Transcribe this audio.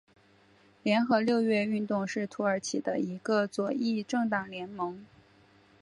联合六月运动是土耳其的一个左翼政党联盟。